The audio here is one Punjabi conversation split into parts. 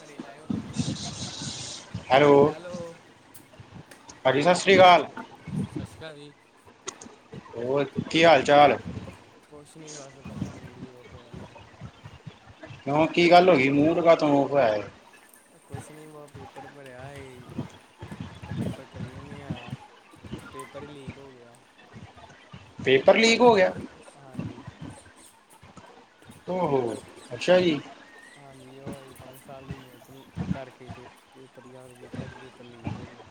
ਘੜੇ ਲਾਏਓ ਫੇਰ। ਹੈਲੋ, ਪਾਜੀ ਸਸ ਸ੍ਰੀ ਕਾਲ। ਸਸ ਸ਼੍ਰੀ ਕਾਲ ਵੀ। ਹੋਰ ਕੀ ਹਾਲ ਚਾਲ? ਕੁਛ ਨਹੀਂ ਬਸ ਭਾਈ ਮੂੜ ਹੀ ਔਫ ਹੋਇਆ। ਕਿਉ ਕੀ ਗੱਲ ਹੋ ਗਈ, ਮੂਡ ਕਾਤੋਂ ਔਫ ਹੋਇਆ? ਕੁਛ ਨੀ ਵੋ ਪੇਪਰ ਭਰਿਆ ਈ। ਉਹ ਪੇਪਰ ਕਲੀਅਰ ਨੀ ਆਇਆ। ਉਹ ਪੇਪਰ ਈ ਲੀਕ ਹੋ ਗਿਆ। ਪੇਪਰ ਲੀਕ ਪੰਜ ਹੋ ਸਾ, ਗਿਆ ਹਾਂਜੀ। ਓ ਹੋ, ਅੱਛਾ ਜੀ। ਹਾਂਜੀ, ਓ ਈ, ਪੰਜ ਸਾਲ ਦੀ ਮੇਨਤ ਕਰਕੇ ਪੇ ਪੇਪਰ ਯਾਦ ਕੀਤਾਏ ਤੇ ਪੇਪਰ ਲੀਕ ਹੋ ਗਿਆ।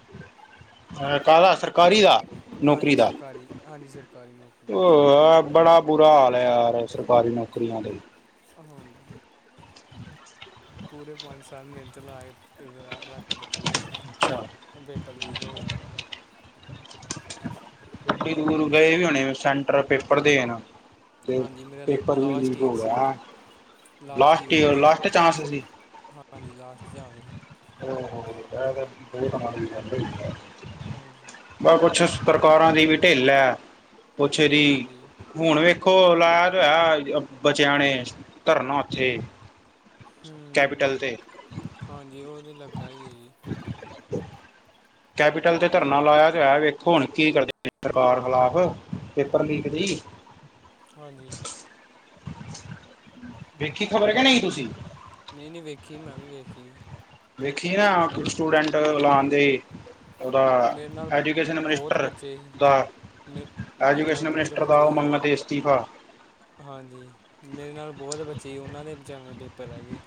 ਹੇ, ਕਾਦਾ ਸਰਕਾਰੀ ਦਾ? ਹਾਂਜੀ ਨੌਕਰੀ ਦਾ। ਸਰਕਾਰੀ ਹਾਂਜੀ ਸਰਕਾਰੀ ਨੌਕਰੀ ਦਾ ਜੀ ਬੁਰਾ ਹਾਲ ਐ ਯਾਰ, ਸਰਕਾਰੀ ਨੌਕਰੀਆਂ ਦੇ। ਹਨ। ਪੂਰੇ ਪੰਜ ਸਾਲ ਮੇਨਤ ਲਾਏ, ਰਾ ਰਾਟ ਕੇ ਪਰੇ ਸੀ। ਅੱਛਾ। ਹੁਨ ਪੇਪਰ ਲੀਕ ਹੋ ਗਿਆ ਉਨ। ਈਡੀ ਦੂਰ ਗਏ ਵੀ ਹੋਣੇ ਸੈਂਟਰ ਪੇਪਰ ਦੇ। ਹਾਂਜੀ, ਮੇਰਾ ਲ ਲਾਸਟ ਈਰ ਸੀ। ਹੈਂ, ਲਾਸਟ ਈਰ ਸੀ ਈਅਰ ਹੁੰ, ਲਾਸਟ ਚਾਂਸ ਸੀ ਹਾਂਜੀ ਲਾਸਟ [unintelligible] [unintelligible] ਹਾਂਜੀ। ਬਾ ਕੁਛ ਇਸ ਪ੍ਰਕਾਰਾਂ ਦੀ ਵੀ ਢਿੱਲ ਐ। ਕੁਛਦੀ ਹਾਂਜੀ ਹੁਨ ਵੇਖੋ ਲਾਇਆ ਤੇ ਹੋਇਆ ਅ ਬ ਬਚਿਆ ਨੇ, ਧਰਨਾ ਉੱਥੇ। ਹੁੰ, ਕੈਪੀਟਲ ਤੇ ਹਾਂਜੀ ਉਹ ਤੇ ਲੱਗਾ ਈ ਐ ਜੀ। ਕੈਪੀਟਲ ਤੇ ਧਰਨਾ ਲਾਇਆ ਤੇ ਹੋਇਆ ਵੇਖੋ ਹੁਨ ਕੀ ਕਰਦੇ ਸਰਕਾਰ ਖਿਲਾਫ਼ ਪੇਪਰ ਲੀਕ ਦੀ। ਹਾਂਜੀ। ਵੇਖੀ ਖਬਰ ਕੇ ਨਈ ਤੁਸੀਂ? ਨਈ-ਨਈ ਵੇਖੀ, ਮੈਂ ਵੀ ਵੇਖੀ। ਵੇਖੀਨਾ ਕੁ ਸਟੂਡੈਂਟ ਹਾਂਜੀ [unintelligible] ਉਹਦਾ ਮੇਰੇ ਨਾਲ ਐਜੂਕੇਸ਼ਨ ਬਹੁਤ ਮਨਿਸਟਰ ਬੱਚੇ ਸੀ ਦਾ। ਮੇ ਮੇਰੇ ਨਾਲ ਐਜੂਕੇਸ਼ਨ ਬਹੁਤ ਮਨਿਸਟਰ ਦਾ ਬੱਚੇ ਓ ਸੀ ਮੰਗ ਤੇ ਉਹ ਇਸਤੀਫਾ। ਹਾਂਜੀ, ਮੇਰੇ ਨਾਲ ਬੋਤ ਬੱਚੇ ਈ, ਉਹਨਾਂ ਦੇ ਬਚਿਆਂ ਦੇ ਪੇਪਰ ਰੇਹਗੇ।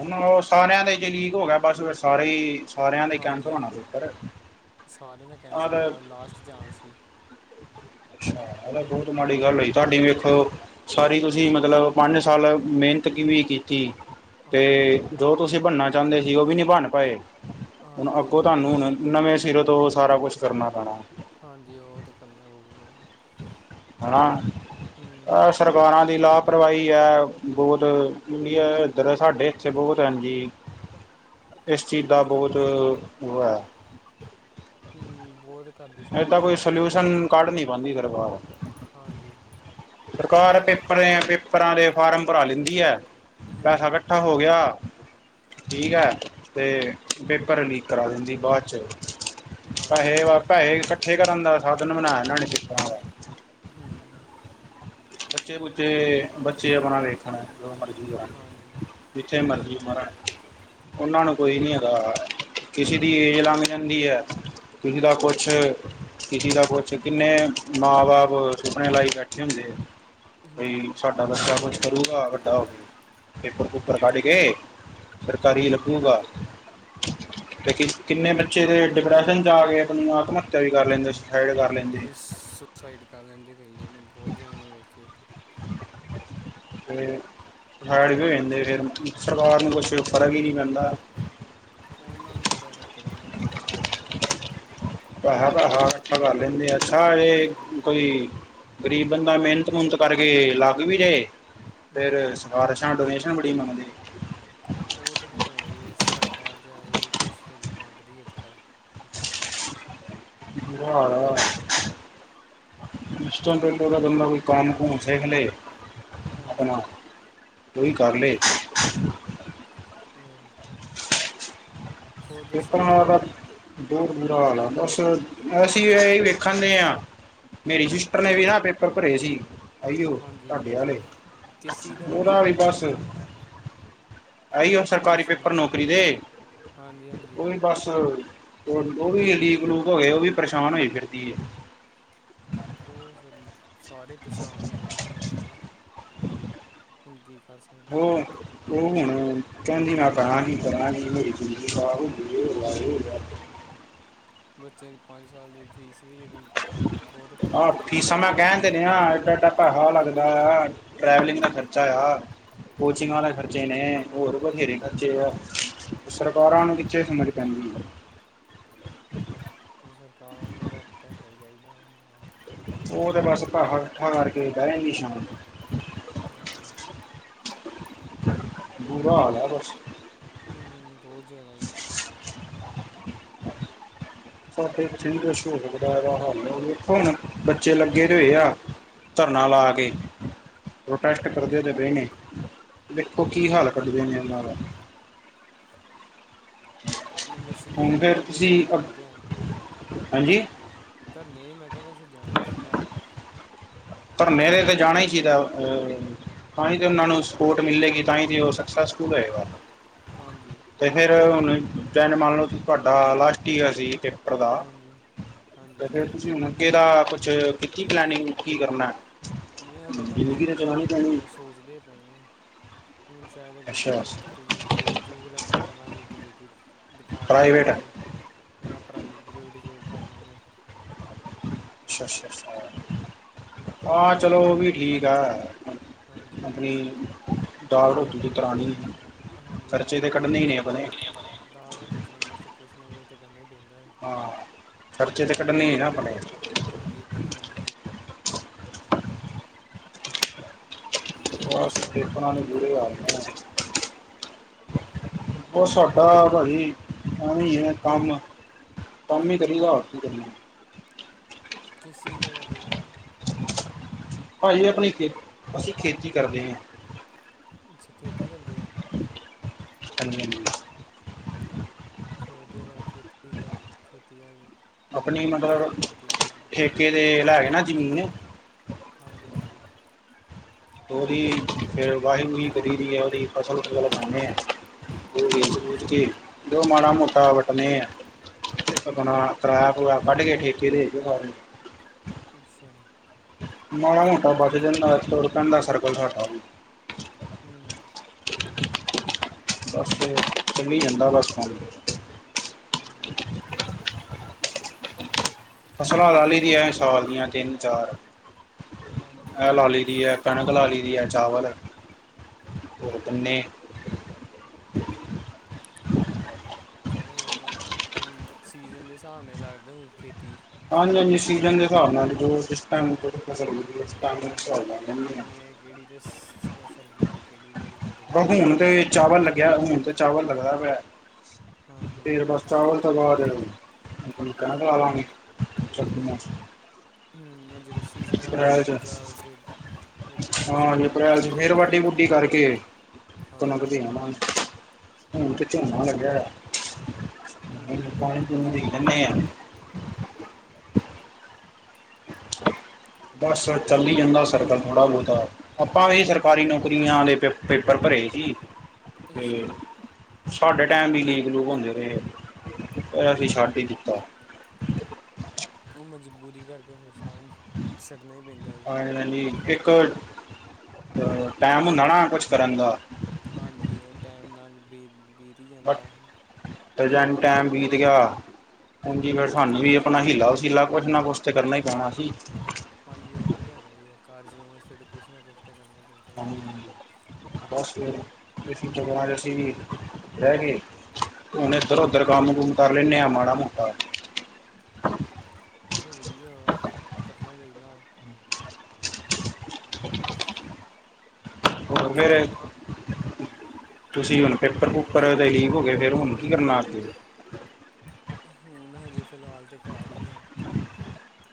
ਹੁਨ ਉਹ ਸਾਰਿਆਂ ਦੇ ਜੇ ਲੀਕ ਹੋ ਗਿਆ, ਬਸ ਫੇਰ ਸਾਰੇ ਈ ਸਾਰਿਆਂ ਦੇ [unintelligible] ਹਾਂਜੀ ਹੋਣਾ ਪੇਪਰ। ਸਾਰਿਆਂ ਦਾ ਕੈਂਸਲ ਹੋ ਗਿਆ ਲਾਸਟ ਚਾਂਸ ਸੀ। ਅੱਛਾ ਬਹੁਤ ਮਾੜੀ ਗੱਲ ਹੋਈ ਤੁਹਾਡੀ ਵੇਖੋ ਸਾਰੀ ਤੁਸੀਂ ਮਤਲਬ ਪੰਜ ਸਾਲ ਮਿਹਨਤ ਕਿਵੇਂ ਕੀਤੀ ਤੇ ਹਾਂਜੀ ਜੋ ਤੁਸੀਂ ਬਨਨਾ ਚਾਂਦੇ ਸੀ ਉਹ ਵੀ ਨਹੀਂ ਬਨ ਪਾਏ, ਹੁਨ ਹਾਂਜੀ ਅੱਗੋਂ ਤਾਨੂੰ ਹੁਨ ਨਵੇਂ ਸਿਰੋ ਤੋਂ ਸਾਰਾ ਕੁਛ ਕਰਨਾ ਪੈਣਾ। ਹਾਂਜੀ ਉਹ ਤੇ ਕਰਨਾ ਹੋਊਗਾ ਈ। ਹੂੰ [unintelligible] ਸਰਕਾਰਾਂ ਦੀ ਲਾਪਰਵਾਹੀ ਐ, ਬੋਤ, ਇੰਡਿਆ ਇੱਧਰ ਸਾਡੇ ਇੱਥੇ ਬੋਤ ਏਂਨਜੀ [inaudible] ਏਸ ਚੀਜ਼ ਦਾ ਬੋਤ, ਉਹ ਹੈ ਹੁੰ, ਬੋਤ ਏਦਾ ਕੋਈ ਸੋਲਿਊਸ਼ਨ ਕੱਢ ਨੀ ਪਾਂਦੀ ਸਰਕਾਰ। ਹਾਂਜੀ। ਸਰਕਾਰ ਪੇਪਰ ਪੇਪਰਾਂ ਦੇ ਫਾਰਮ ਭਰਾ ਲੈਂਦੀ ਹੈ ਪੈਹਾ ਹੂੰ ਕੱਠਾ ਹੋ ਗਿਆ। ਠੀਕ ਹੈ ਤੇ ਪੇਪਰ ਲੀਕ ਕਰਾ ਦਿੰਦੀ ਬਾਅਦ ਚ ਹਾਂਜੀ ਪੈਹੇ ਬਸ ਪੈਹੇ ਇਕੱਠੇ ਕਰਨ ਦਾ ਸਾਧਨ ਬਣਾਇਆ ਇਹਨਾਂ ਨੇ ਪੇਪਰਾਂ ਦਾ ਹੂੰ। ਬੱਚੇ-ਬੱਬੁ ਬੱਚੇ ਆਪਣਾ ਵੇਖਣ ਜੋ ਮਰਜੀੀ ਕਰਣ ਹਾਂਜੀ। ਜਿੱਥੇ ਮਰਜ਼ੀ ਮਰਣ- ਉਹਨਾਂ ਨੂੰ ਕੋਈ ਨੀ ਹੈਗਾ ਕਿਸੀ ਦੀ ਏਜ ਲੰਘ ਜਾਂਦੀ ਐ। ਕਿਸੀ ਦਾ ਕੁੱਛ - ਕਿਸੀ ਦਾ ਕੁਛ ਕਿੰਨੇ ਮਾਂ ਬਾਪ ਸੁਪਨੇ ਲਾਈ ਬੈਠੇ ਹੁੰਦੇ ਐ। ਬਈ ਹੂੰ ਸਾਡਾ ਨੱਚਾ ਕੁਛ ਕਰੂਗਾ ਵੱਡਾ ਹੋਵੇ ਪੇਪਰ ਪੂਪਰ ਕੱਢ ਕੇ ਸਰਕਾਰੀ ਹਾਂਜੀ ਹਾਂਜੀ ਲੱਗੁਗਾ। ਤੇ ਕਿੰਨੇ ਬੱਚੇ ਦੇ ਡਿਪਰੈਸ਼ਨ ਚ ਆ ਕੇ ਆਪ ਨੂੰ ਆਤਮ ਹੱਤਿਆ ਵੀ ਕਰ ਲੈਂਦੇ ਸੀ। ਹਾਂਜੀ ਕੋਈ ਸੁਸਾਈਡ ਕਰ ਲੈਂਦੇ ਕਈ ਜਾਣੇ ਬਹੁਤ ਜਾਣੇ ਮੈਂ ਵੇਖੇ [inaudible] ਤੇ- ਸੈਡ ਤੇ ਹੋ ਜਾਂਦੇ ਫਿਰ ਸਰਕਾਰ ਨੂੰ ਕੁਛ ਫ਼ਰਕ ਹੀ ਨਹੀਂ ਪੈਂਦਾ। ਉਹਨਾਂ ਨੂੰ ਕਾਦਾ ਫਰਕ ਪੈਣਾ ਇਹਨਾਂ ਨੂੰ ਪੈਹਾ ਚੜਿਆ ਹੁੰਦਾ ਜੀ। ਪੈਹਾ-ਪੈਹਾ ਕੱਠਾ ਕਰ ਲੈਂਦੇ ਆ ਸਾਰੇ ਹਾਂਜੀ ਇਕੋ ਈ ਗਰੀਬ ਬੰਦਾ ਮਿਹਨਤ- ਮੁਹਨਤ ਕਰਕੇ ਲਗ ਵੀ ਜਾਏ ਫਿਰ ਹੂੰ ਸਿਫ਼ਾਰਸ਼ ਨਾ‌ ਡੋਨੇਸ਼ਨ ਬੜੀ ਮੰਗਦੇ- ਉਹ ਤਾਂ ਫਿਰ ਹੈਗਾ ਜੀ ਸਰਕਾਰ ਜਾਏਗੀ ਕੁਛ ਤੇ ਮੰਗਦੀ ਅੱਜ-ਕੱਲ੍ਹ [unintelligible] ਉਸਤ‌ ਰਾ‌ ਬੰਦਾ‌ ਕੋਈ ਕੰਮ-ਕੁਮ ਸਿਖ ਲੇ ਹਾਂਜੀ ਆਪਣਾ ਉਹੀ ਕਰ ਲਏ। ਹੂੰ। ਪੇਪਰਾ ਦਾ‌ ਤਾਂ ਬਹੁਤ‌ ਬੂਰਾ ਹਾਲ ਆ ਬਸ ਅਸੀਂ ਇਹੀ ਵੇਖਣ ਦੇ ਹਾਂ। ਮੇਰੀ ਸਿਸਟਰ ਨੇ ਵੀ ਨਾ ਪੇਪਰ ਭਰੇ ਸੀ। ਇਹੀਓ ਹਾਂਜੀ ਤੁਹਾਡੇ ਆਲੇ ਕਿਸ ਚੀਜ਼ ਦਾ ਭਲੇ ਉਹਦਾ ਵੀ ਬਸ ਇਹ ਈ ਓ ਸਰਕਾਰੀ ਪੇਪਰ ਨੌਕਰੀ ਦੇ ਹਾਂਜੀ-ਹਾਂਜੀ। ਉਹ ਵੀ ਬਸ ਉਹ ਵੀ ਲੀਕ-ਲੂਕ ਹੋ ਗਏ ਉਹ ਵੀ ਪਰੇਸ਼ਾਨ ਹੋਈ ਫਿਰਦੀ ਏ। ਉਹ ਫਿਰ ਸਾਰੇ ਪਰੇਸ਼ਾਨ ਹੋਏ ਹੁੰਦੇ। ਹੁਣ ਕੀ ਕਰ ਸਕ ਉਹ ਉਹ ਹੁਣ ਕਹਿੰਦੀ ਮੈਂ ਕਰਾਂਗੀ-ਕਰਾਂਗੀ ਮੇਰੀ ਜ਼ਿੰਦਗੀ ਖਰਾਬ ਹੋਗੀ ਏ। ਏ ਹੋ ਗਿਆ ਓ ਹੋ ਗਿਆ। ਬੱਚਿਆਂ ਦੀ ਪੰਜ ਸਾਲ ਦੀ ਫੀਸ ਵੀ ਜਿਹੜੀ ਬਹੁਤ ਆਹ ਖਰਾਬ ਹੋਈ ਫੀਸਾਂ ਮੈਂ ਕਹਿਣ ਦੇਨ ਆ ਏਡਾ ਏਡਾ ਪੈਹਾ ਲੱਗਦਾ ਆ। ਟਰੈਵਲਿੰਗ ਦਾ ਹਾਂਜੀ ਖਰਚਾ ਆ ਉਹ ਕੋਚਿੰਗਿ ਦੇ ਤੇ ਹੈਗਾ ਖਰਚੇ ਜੀ ਨੇ ਹੋਰ ਬਥੇਰੇ ਹਾਂਜੀ ਹਾਂਜੀ ਖਰਚੇ ਆ ਹੂੰ ਸਰਕਾਰਾਂ ਨੂੰ ਕਿਥੇ ਸਮਝ ਪੈਂਦੀ ਸਰਕਾਰਾਂ ਨੂੰ ਤੇ ਬਸ ਪੈਸਾ ਹੀ ਚਾਹੀਦਾ ਹੁੰਦਾ। ਉਹ ਤੇ ਬਸ ਪੇਸ਼ਾ ਕੱਠਾ ਕਰ ਕੇ ਬਹਿ ਜਾਂਦੀ ਸ਼ਾਤ। ਹਾਂਜੀ। ਬੂਰਾ ਹਾਲ ਹੈ ਬਸ। ਹਮ ਬਹੁਤ ਜ਼ਿਆਦਾ ਜ ਸਾਡੇ ਇਥੇਸ਼ਰ ਹਾਲ ਦੇਖੋ ਹੁਣ ਬੱਚੇ ਲੱਗੇ ਰਏ ਆ ਧਰਨਾ ਲਾ ਕੇ ਪ੍ਰੋਟੈਸਟ ਕਰਦੇ ਤੇ ਪਏ ਨੇ ਦੇਖੋ ਕੀ ਹੂੰ ਹਾਲ ਕੱਢਦੇ ਨੇ ਉਹਨਾਂ ਦਾ ਨਿਵੈਸਤ ਹੁਣ ਧੰਨੇ ਫਿਰ ਤੇਤੇ ਤੁਸੀਂ ਜਾਣਾ ਅ- ਚਾਹੀਦਾ ਹੈ ਹਾਂਜੀ ਤਾਂ ਨਹੀਂ ਮੈਂ ਕਿਹਾ ਵੈਸੇ ਜਾਣਾ ਚਾਹੀਦਾ ਵ ਪਰ ਨੇੇਰੇ ਤੇ ਜਾਣਾ ਹੀ ਸੀਗਾ ਅ ਤਾਂ ਹੀ ਤੇ ਉਹਨਾਂ ਨੂੰ ਸਪੋਰਟ ਮਿਲੇਗੀ ਤਾਂ ਹੀ ਤੇ ਉਹ ਸਕਸੈਸਫੁਲ ਹੋਏਗਾ ਹਾਂਜੀ ਅਤੇ ਫਿਰ ਹੁਣ ਜੈਨ ਮੰਨ ਲਓ ਤੁਹਾਡਾ ਲਾਸਟ ਹੀਆ ਸੀ ਅਤੇ ਹਾਂਜੀ ਹਾਂਜੀ ਫਿਰ ਤੁਸੀਂ ਹੁ ਕਿਦਾ ਕੁਛ ਕੀਤੀ ਪਲਨਿੰਗ ਕੀ ਕਰਨਾ ਮੈਂ ਅਜੇ ਤੱਕ ਤਾਂ ਜ਼ਿੰਦਗੀ ਨਹੀਂ ਚਲਾਉਣੀ ਕੀਤੀ ਇਹ ਪੈਣੀ ਤਾਂ ਸੋਚਦੇ ਪਏ ਹੁਣ ਸ਼ਾਇਦ ਅੱਗੇ ਕੋਈ ਅੱਛਾ ਕਿਤੇ ਜੋਬ ਜਬ ਅ ਕਰ ਲਾਂਗੇ ਕਿਤੇ ਦੁਕਾਨ ਦੁਕੂਨ ਪ੍ਰਾਈਵੇਟ 'ਤੇ ਜਾਂਾਂ ਪ੍ਰਾਈਵੇਟ ਪ੍ਰਵੇਟ ਜੋੌਬ ਕਰ ਲਵਾਂਗੇ ਅੱਾ ਅੱਛਾ ਅ ਹਾਂ ਚਲੋ ਉਹ ਵੀ ਠੀਕ ਆ ਹਾਂਜੀ ਆਪਣੀ ਦਾਾਲਟੋ ਜ ਦੀ ਕਰਣੀ ਹਾਂਜੀ ਉਹ ਤੇ ਫਿਰ ਡਗ ਰੋਟੀ ਚਲਾਉਣ ਵਸਤੇ ਕੁਛ ਨਾ ਕੁਛ ਤਾਂ ਕਰਨਾ ਹੀ ਪੈਂਦਾ ਹੈ ਹਾਂ ਖਰਚੇ ਤਕਟ ਨਹੀਂ ਨਾ ਆਪਣੇ ਹਾਂਜੀ ਫੇ ਵੀ ਹਦਾ ਹੋਰ ਬਸ ਸੁਣਾਓ ਤੁ ਪੇਪਰਾਂ ਨੂੰ ਕੀ ਬੁਰੇ ਹਾਲ ਕਰਦੇ ਅੱਜ ਕੱਲ ਨੇ ਉਹ ਸਾਡਾ ਭਾਈ ਐਵੇਂ ਹੈ ਕੰਮ ਕੰਮ ਹੀ ਕਰੀਦਾ ਹੋ ਕਰੀਏ ਕਿਸ ਚੀਜ਼ ਦਾ ਕਰਦੇ ਕੰਮ ਭਾਅ ਜ ਆਪਣੀ ਖੇ ਅਸੀਂ ਖੇਤੀ ਕਰਦੇ ਹਾਂ ਅੱਛਾ ਖੇਤੀ ਕਰਦੇ ਹੋ ਤੰ [inaudible] ਚਲੋ ਵਧੀਆ ਗੱਲ ਖੇਤੀ ਕਰ ਖੇਤੀ ਵਾਲੇ ਬੰਦੇ ਬਿੜ ਬਹੁਤ ਮਿਹਨਤੀ ਹੁੰਦੇ ਹੈ ਧਕੇ ਦੇ ਲੈ ਗ ਨਾ ਜ਼ਮੀਨ ਹਾਂਜੀ ਹਾਂਜੀ ਉਹਦੀ ਫ ਵਾਹੀੂਹੀ ਗੀਦੀ ਹੈ ਉਹਦੀ ਫਸਲ ਉ ਗਲ ਖਾਉਦੇ ਆਾਂ ੂਝ ਅੱਛਾ ਕੇ ਜੀ ਜੋ ਮਾੜਾ ਮੋਟਾ ਵੱਟਣੇੇ ਆ ਣਾ ਕਰਰਾਇਆ ਕਰਰਾਆ ਕੱਢ ਕੇ ਠੇਕੇ ਦੇ ਸ ਅੱਛਾ ਮੜਾ ਮੋਟਾ ਬਾਕੀ ਜਥੋ ਪਦਾ ਸਰਕਲਾ ਹਮ ਬਸ ਤੇ ਚੀ ਜਾਂਦਾ ਬਸ ਪਾਣੀ ਹਾਂਜੀ ਫਸਲਾਲੀ ਦੀਆਂ ਸਾਲ ਦੀਆਂ ਤਿੰਨ ਚਾਰ ਹਾਂਜੀ ਹ ਹੈ ਲ ਲਈ ਹੈ ਕਣਕ ਲ ਲਈ ਹੈ ਚਾਵਲ ਹੋਰ ਗੁੰਨੇ ਚਲੋ ਉਹਦੇ ਫ ਸੀਜ਼ਨ ਦੇ ਹਿਸਾਬ ਨਾਲ ਲੱਗਦੇ ਹੋਏ ਖੇਤੀ ਹਾਂਜੀ ਹਾਂਜੀ ਸੀਜਨ ਦੇ ਹਿਸਾਬ ਨਾਲ ਜੋਿਸਮ ਫਸਲ ਟਾਈਮ ਦੇ ਹਾਂਜੀ ਹਿਸਾਬ ਨਾਲ ਲੈਂਦੇ ਆ ਗਰਮੀਆਂ 'ੀ ਕਿਹੜੀ ਅਤੇ ਸਰਦੀਆਂ 'ੀ ਕਿਹੜੀ ਲੇੜੀ ਲੱਗ ਗਈ ਹੁਣ ਤੇ ਚਾਵਲ ਲੱਗਿਆ ਹੁਣ ਤੇ ਚਾਵਲ ਲੱਗਦਾ ਵ ਹਾਂਜੀ ਫਿਰ ਬਸ ਚਾਵਲ ਤੋਂ ਬਾਅਦ ਕਹਿਡ ਲ ਹਮ ਜਦੋਂ ਸੀਜਨ ਆ ਗਿਆ ਅਪ੍ਰੈਲ ਚ ਦੂਜਾ ਦੂਸਰੀ ਲੱਗਣੀ ਫੇਿਰ ਵਾਡੀ ਵੂਡੀ ਕਰਕੇ ਕਣਕ ਹਾਂਜੀ ਦੇ ਆ ਮ ਮ ਕਿ ਹੂੰ ਬਸ ਆ ਚਲੋ ਚੱਲੀ ਜਾਂਦਾ ਸਰਦਾ ਥੋੜਾ ਬਹੁਤਾ, ਆਪਾਂ ਵੀ ਸਰਕਾਰੀ ਨੌਕਰੀਆਂ ਦੇ, ਪੇਪਰ ਭਰੇ ਸੀ। ਅੱਛਾ ਤੇ ਸਾਡੇ, ਟਾਈਮ ਵੀ ਲੀਕ ਲੂਕ ਹੁੰਦੇ ਰਹੇ, ਅਸੀਂ ਛੱਡ ਹੀ ਦਿੱਤਾ ਉਹ, ਮਜ਼ਬੂਰੀ ਕਰਕੇ ਫਿਰ ਸਾਰੇ, ਛੱਡਣਾ ਪੈਦਾ ਜੀ। ਇੱਕ ਟਾਈਮ, ਹੁੰਦਾ ਨਾ ਕੁਛ ਕਰਨ ਦਾ ਹਾਂਜੀ, ਉਹ ਟਾਈਮ, ਲੰਘ ਬੀਤ-ਬੀਤੀ ਹੀ ਜਾਂਦਾ। ਤੇ ਜੇ, ਟਾਈਮ ਬੀਤ ਗਿਆ, ਉਜ ਹੀ ਹੂੰ ਸਾਨੂੰ ਆਪਣਾ ਹੀਲਾ ਵਸੀਲਾ ਕੁਛ ਨਾ ਕੁਛ ਤੇ ਕਰਨਾ, ਹੀ ਪੈਣਾ ਸੀ। ਹਾਂਜੀ, ਉਹ ਤਾਂ ਹੈਗਾ ਹੀ ਏ, ਕਾਰ ਚਲਾਉਣ ਵਾਸਤੇ, ਕੁਛ ਨਾ ਕੁਛ ਤਾਂ ਕਰਨਾ ਪੈਂਦਾ ਹ ਹੀ ਹੈ [inaudible] ਬਸ, ਪਿਛਲੇ ਐਤਵਾਰ, ਅਸੀਂ ਵੀ ਰਹਿਗਏ ਹੁਣ, ਇੱਧਰ ਹੂੰ ਓਧਰ ਕੰਮ ਕੁਮ ਕਰ ਲੈਂਨੇ ਆਾਂ ਮਾੜਾ ਮੋਟਾ, ਚਲੋ ਵਧੀਆ, ਕਰਨਾ ਚਾਹੀਦਾ। ਹ [inaudible] ਪੜ੍ਹਦੇ ਰਹੇ, ਤੁਸੀਂ ਹੁਣ ਪੇਪਰ ਬਸ ਪੂਪਰ ਦੇ ਲੀਕ ਹੋ ਗਏ, ਫਿਰ ਹੁਣ ਬਦਰੀਂ ਨਾਥ ਹੁਣ ਹਜੇ ਫਿਲਹਾਲ ਤੇ ਘਰ ਹੀ ਆ,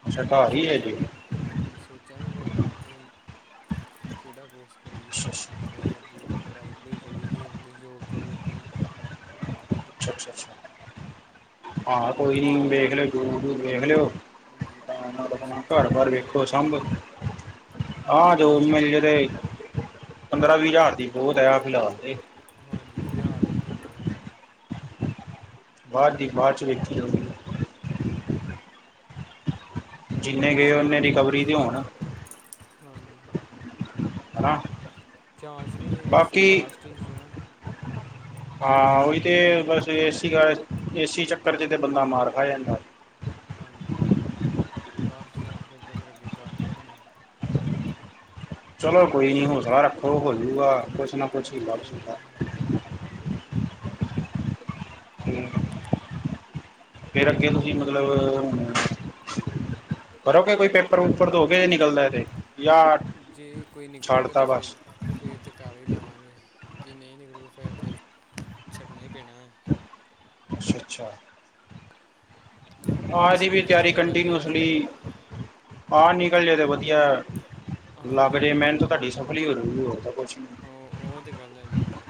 ਅੱਛਾ ਹੁਣ ਘਰ ਹੀ ਹੈ ਜੀ ਸੋਚਾਂਗੇ ਹਾਂਜੀ, ਸੋਚਾਗੇ ਹੁਣ ਬਹਿ, ਕੇ ਕਿਹੜਾ ਕੋਰਸ ਕਰੀਏ, ਅੱਛਾ ਜਾਂ ਅੱਛਾ ਕੋਈ ਅੱਗੇ ਪੜ੍ਹਾਈ ਪੜ੍ਹੂਈ ਕਰੀਏ, ਜੋਬ ਜੂਬ ਲੱਭੀਏ ਅੱਛਾ ਅੱਛਾ ਅੱਛਾ [inaudible] ਆਹੋ, ਕੋਈ ਨ ਵੇਖ ਲਉਂ, ਦੂਰ ਦੂਰ ਵੇਖ ਲਓ ਆ ਹਾਂਜੀ ਪਹਿਲੇ, ਵੈਸੇ ਦਾ ਘਰ ਜੋਬ ਬਾਹਰ ਮਿਲ ਜੇ ਵੇਖੋ ਤਾਂ ਵਧੀਆ ਸਾਹਮਣੇ। ਹੀ ਆ ਹਾਂ, ਜੋ ਜੋਬ ਮਿਲ ਜਾਏ, ਜੇ ਤਾਂ ਤੇ ਪੰਦਰਾਂ, ਵੀਹ ਹਜ਼ਾਰ ਦੀ ਬਹੁਤ ਆ ਫਿਲਹਾਲ ਹਾਂਜੀ, ਫਿਲਹਾਲ ਇਹ ਤਾਂ ਹੋ, ਰਿਆ ਬਾਅਦ ਦੀ, ਬਾਅਦ ਚ ਵੇਖੀ ਜਾਊਗੀ ਹਾਂਜੀ ਜਿੰਨੇ ਗਏ, ਓਨੇ ਰਿਕਵਰੀ ਤੇ ਹੋਣ ਹਾਂਜੀ ਹਨਾ ਚਾਂਸ ਵੀ, ਇਸ ਲੀ ਲਾਸਟ, ਹੀ ਸੀ ਨਾ ਹਾਂ ਉਹੀ ਤੇ, ਬਸ ਏ ਏਸੀ ਚੱਕਰ ਚ ਤੇ, ਬੰਦਾ ਮਾਰ ਖਾ ਜਾਂਦਾ। ਹਾਂਜੀ, ਲਾਸਟ ਚਾਸ ਕਰਕੇ, ਫਿਰ ਅੱਗੇ ਗੱਲ ਨਹੀਂ, ਬਣੀ ਚਲੋ, ਕੋਈ ਨਈ ਹੌਸਲਾ ਰੱਖੋ, ਹੋ ਜਉਗਾ ਕੁਛ, ਨਾ ਕੁਛ ਹੀਲਾ ਹਾਂਜੀ, ਉ ਵਸੀਲਾ ਓ ਤਾਂ ਹੋਗਾ ਈ ਮੇਰਾ, ਕਿਹੋ ਜੀ ਮਤਲਬ ਕਰੋਗੇ, ਕੋਈ ਪੇਪਰ ਪੁਪਰ ਦੌ ਕੇ ਨਿਕਲਦਾ, ਇ ਤੇ ਜਾਂ ਜੇ ਕੋਈ ਛੱਡ ਨਿਕਲੂਗਾ, ਤਾ ਤੇ ਫਿਰ ਬਸ ਫੇਰ ਤੇ ਕਰ ਹੀ ਲਵਾਂਗੇ, ਜੇ ਨਹੀਂ ਨਿਕਲੂ, ਫੇਰ ਤੇ ਛੱਡਣਾ ਹੀ ਪੈਣਾ ਏ ਅੱਛਾ ਅੱਛਾ। ਹਾਂ, ਏ ਵੈਸੇ ਦੀ ਵੀ ਨਿਕਲ ਜੇ ਤਿਆਰੀ, ਤਾਂ ਕੰਟੀਨਿਊ ਵਧੀਆ ਸੁਣੀ,? ਆ ਹਹ ਨਿਕਲ ਜ ਤੇ ਵਧੀਆ ਲੱਗ ਹਾਂਜੀ ਜੇ ਮਿਹਨਤ ਤੁਹਾਡੀ ਸਫਲੀ ਹੋ ਰੂਗੀ ਉਹ ਤਾਂ ਕੁਛ ਨਹੀਂ ਹੋ ਉਹ, ਤੇ ਗੱਲ ਹੈਗੀ ਜੀ।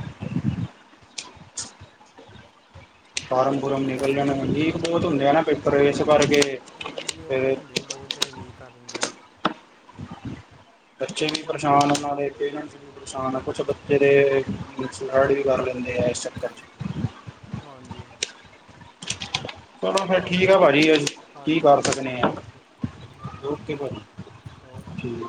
[inaudible] ਫਾਰਮ ਫੁਰਮ ਨਿਕਲ ਜਾਣੇ, ਮਹਿਗੇ ਬਹੁਤ ਹੁੰਦੇ ਆ ਨ ਪੇਪਰ, ਇਸ ਕਰਕੇ ਹਾਂਜੀ, ਉਹ ਫਿਰ ਨਾ ਅਜੇ ਪੁਹੰਚੇ ਨਈ ਕਰਨ ਦੇ ਬੱਚੇ ਵੀ, ਪਰੇਸ਼ਾਨ ਉਹਨਾਂ ਦੇ, ਪੇਰੈਂਟਸ ਵੀ ਨੁਕਸਾਨ, ਕੁਛ ਬੱਚੇ ਸੁਸਾਈਡ, ਵੀ ਕਰ ਲੈਂਦੇ ਆ ਇਸ ਚੱਕਰ ਚ [unintelligible] [unintelligible] ਹਾਂਜੀ, ਚਲੋ ਫਿਰ ਠੀਕ ਆ ਭਾਜੀੀ ਕੀ ਹਾਂਜੀ ਕਰ ਸਕਦੇ ਓਕੇ ਆ ਓਕੇ ਹਾਂਜੀ ਓਕੇ ਠੀ